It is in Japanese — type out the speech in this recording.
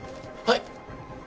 はい！